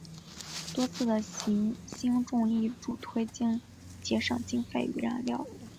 多次的行星重力助推将节省经费与燃料。